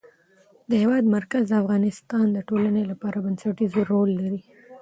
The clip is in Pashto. د هېواد مرکز د افغانستان د ټولنې لپاره بنسټيز رول لري.